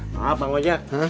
maaf bang ojak